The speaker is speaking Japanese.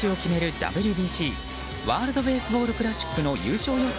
ＷＢＣ・ワールド・ベースボール・クラシックの優勝予想